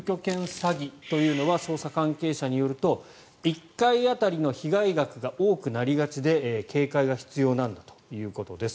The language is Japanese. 詐欺というのは捜査関係者によると１回当たりの被害額が多くなりがちで警戒が必要なんだということです。